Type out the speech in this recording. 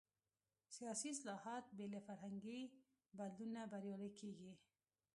سیاسي اصلاحات بې له فرهنګي بدلون نه بریالي کېږي.